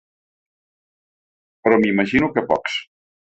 Però m’imagino que pocs.